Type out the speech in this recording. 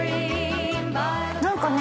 何かね